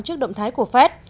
trước động thái của phép